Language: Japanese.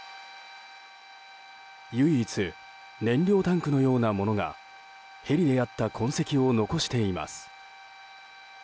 唯一燃料タンクのようなものがヘリであった痕跡を残しています。